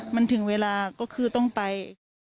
มันถึงเวลาก็คือต้องไป